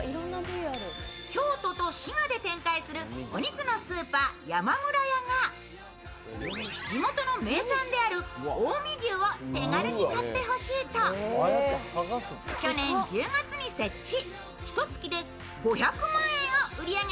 京都と滋賀で展開するお肉のスーパー、やまむらやが地元の名産である近江牛を手軽に買ってほしいと去年１０月に設置。